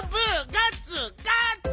ガッツガッツ！